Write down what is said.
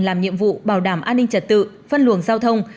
làm nhiệm vụ bảo đảm an ninh trật tự phân luồng giao thông